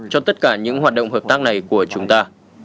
cho tất cả những hoạt động hợp tác này của chúng ta